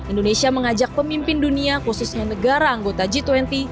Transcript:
indonesia mengajak pemimpin dunia khususnya negara anggota jepang